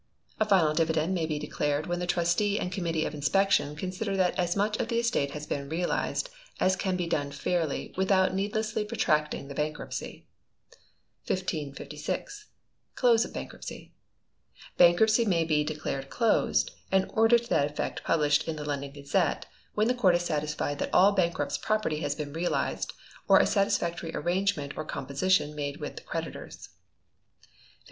A final dividend may be declared when the Trustee and committee of inspection consider that as much of the estate has been realised as can be done fairly without needlessly protracting the bankruptcy. 1556. Close of Bankruptcy. Bankruptcy may be declared closed, and order to that effect published in the 'London Gazette', when the Court is satisfied that all bankrupt's property has been realised, or a satisfactory arrangement or composition made with the creditors. 1557.